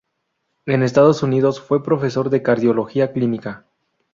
En Estados Unidos fue profesor de Cardiología Clínica.